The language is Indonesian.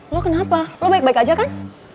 lo kenapa lo baik baik aja kan